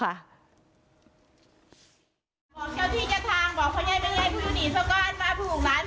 เอาล่ะนี่เอานั่งลงเอานั่งลง